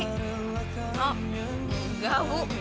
oh enggak bu